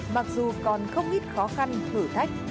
mặc dù còn không ít khó khăn thử thách